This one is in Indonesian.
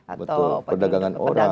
atau perdagangan orang